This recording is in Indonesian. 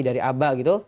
dari abah gitu